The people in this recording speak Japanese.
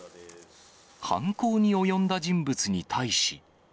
犯行に及んだ人物に対し。